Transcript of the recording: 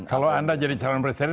kalau anda jadi calon presiden